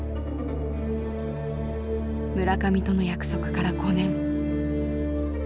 村上との約束から５年。